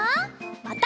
また。